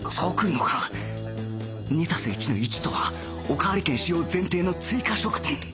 ２＋１ の１とはおかわり券使用前提の追加食パン